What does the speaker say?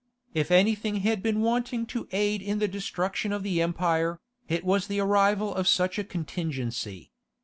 If anything had been wanting to aid in the destruction of the empire, it was the arrival of such a contingency.